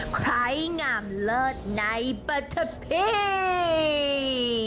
ใครงามเลิศในประเทศ